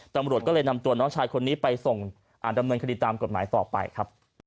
ตำรวจก็เลยนำตัวน้องชายคนนี้ไปส่งดำเนินคดีตามกฎหมายต่อไปครับ